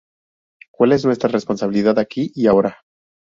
Cuál es nuestra responsabilidad aquí y ahora?.